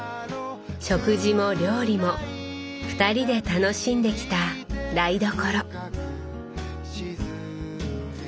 食事も料理も２人で楽しんできた台所。